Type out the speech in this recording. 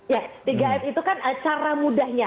ya tiga f itu kan cara mudahnya